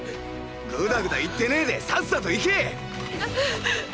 グダグダ言ってねェでさっさと行け！